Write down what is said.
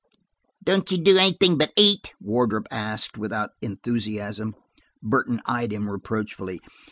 "Don't you do anything but eat?" Wardrop asked, without enthusiasm. Burton eyed him reproachfully.